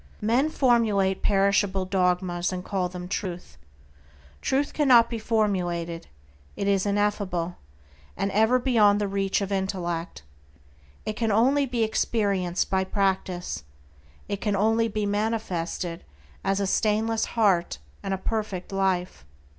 Men formulate perishable dogmas, and call them Truth. Truth cannot be formulated; it is ineffable, and ever beyond the reach of intellect. It can only be experienced by practice; it can only be manifested as a stainless heart and a perfect life.